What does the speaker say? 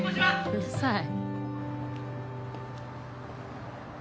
うるさい